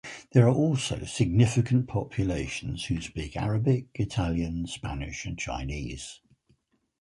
There are also significant populations who speak Arabic, Italian, Spanish and Chinese.